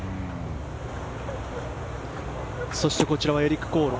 そしてこちらはエリック・コール。